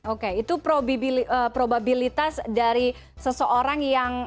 oke itu probabilitas dari seseorang yang